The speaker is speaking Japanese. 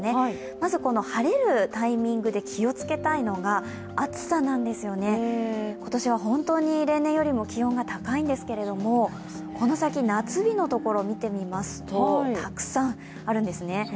まずこの晴れるタイミングで気をつけたいのが暑さなんですよね、今年は本当に例年よりも気温が高いんですけれどもこの先、夏日のところ見てみますとたくさんあるんですね。